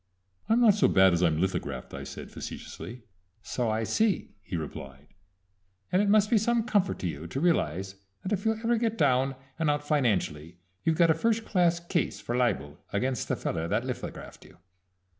"I'm not so bad as I'm lithographed," I said facetiously. "So I see," he replied, "and it must be some comfort to you to realize that if you ever get down and out financially you've got a first class case for libel against the feller that lithographed you."